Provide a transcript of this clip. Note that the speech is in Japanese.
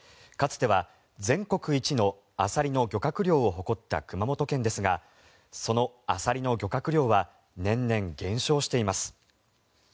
かつては全国一のアサリの漁獲量を誇った熊本県ですがそのアサリの漁獲量は年々減少しています。